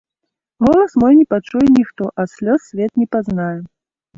Голас мой не пачуе ніхто, а слёз свет не пазнае.